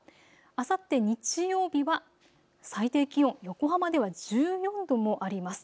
あさって日曜日は最低気温、横浜では１４度もあります。